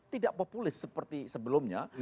tidak populis seperti sebelumnya